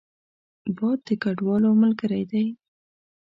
باد د کډوالو ملګری دی